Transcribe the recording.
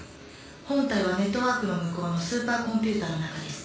本体はネットワークの向こうのスーパーコンピューターの中です。